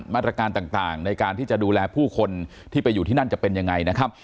มาตรการต่างในการที่จะดูแลผู้คนที่ไปอยู่ที่นั่นจะเป็นยังไงนะครับ